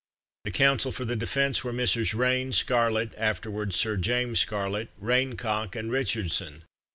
The council for the defence were Messrs. Raine, Scarlett (afterwards Sir James Scarlett), Raincock, and Richardson.